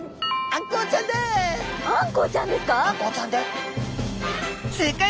あんこうちゃんですか？